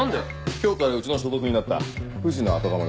今日からうちの所属になった藤の後釜だ。